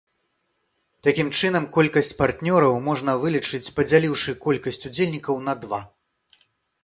Такім чынам колькасць партнёраў можна вылічыць, падзяліўшы колькасць удзельнікаў на два.